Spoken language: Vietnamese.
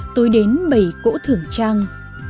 tối đến bảy cỗ thưởng trăng